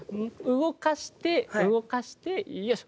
動かして動かしてよいしょ。